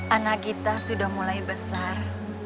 anak kita sudah mulai besar